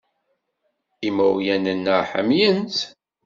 Imawlan-nneɣ ḥemmlen-tt.